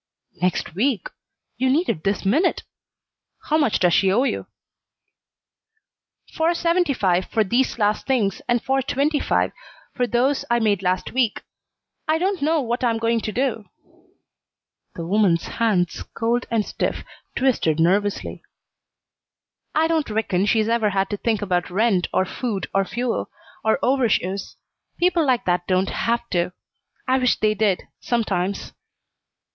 "Next week! You need it this minute. How much does she owe you?" "Four seventy five for these last things, and four twenty five for those I made last week. I don't know what I'm going to do." The woman's hands, cold and stiff, twisted nervously. "I don't reckon she's ever had to think about rent, or food, or fuel, or overshoes. People like that don't have to. I wish they did, sometimes."